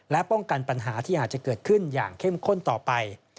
และป้องกันปัญหาที่อาจจะเกิดขึ้นอย่างเข้มข้นต่อไป